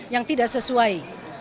yang tidak sesuai